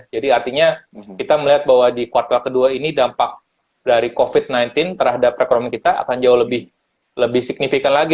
jadi artinya kita melihat bahwa di kuartal kedua ini dampak dari covid sembilan belas terhadap ekonomi kita akan jauh lebih signifikan lagi